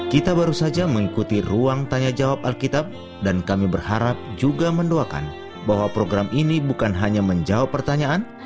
kita baru saja mengikuti ruang tanya jawab alkitab dan kami berharap juga mendoakan bahwa program ini bukan hanya menjawab pertanyaan